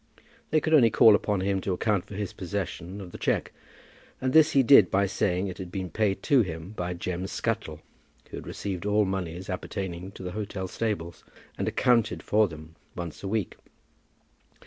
They could only call upon him to account for his possession of the cheque, and this he did by saying it had been paid to him by Jem Scuttle, who received all moneys appertaining to the hotel stables, and accounted for them once a week.